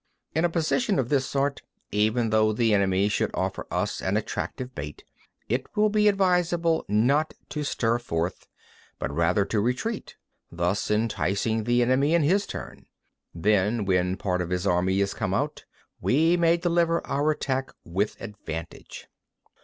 7. In a position of this sort, even though the enemy should offer us an attractive bait, it will be advisable not to stir forth, but rather to retreat, thus enticing the enemy in his turn; then, when part of his army has come out, we may deliver our attack with advantage.